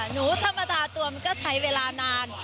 หนูธรรมดาตัวมันก็ใช้เวลานาน